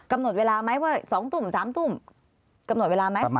กำหนดเวลาไหมว่า๒ทุ่ม๓ทุ่มกำหนดเวลาไหม